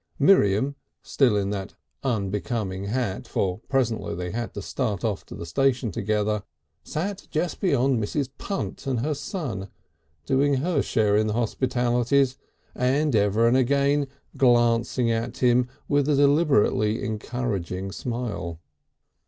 Miriam, still in that unbecoming hat for presently they had to start off to the station together sat just beyond Mrs. Punt and her son, doing her share in the hospitalities, and ever and again glancing at him with a deliberately encouraging smile.